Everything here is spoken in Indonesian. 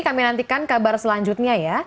kami nantikan kabar selanjutnya ya